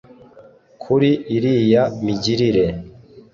Kuri iriya migirire